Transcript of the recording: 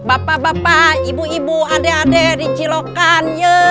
bapak bapak ibu ibu ade ade dicilokkan